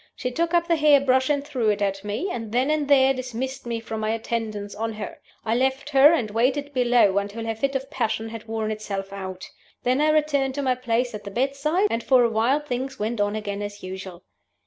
She took up the hair brush and threw it at me, and then and there dismissed me from my attendance on her. I left her, and waited below until her fit of passion had worn itself out. Then I returned to my place at the bedside, and for a while things went on again as usual.